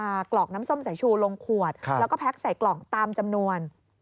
กรอกน้ำส้มสายชูลงขวดแล้วก็แพ็คใส่กล่องตามจำนวน